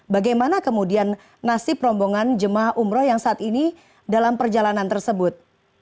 bagaimana kemudian nasib rombongan jemaah umroh yang saat ini dalam perjalanan tersebut